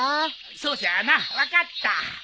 そうじゃな分かった。